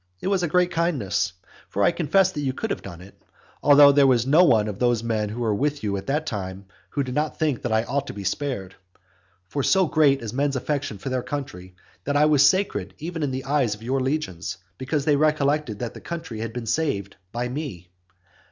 It was a great kindness! For I confess that you could have done it. Although there was no one of those men who were with you at that time, who did not think that I ought to be spared. For so great is men's affection for their country, that I was sacred even in the eyes of your legions, because they recollected that the country had been saved by me.